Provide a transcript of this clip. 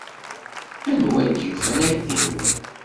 Anwa ay d-yufan aydi-nwen?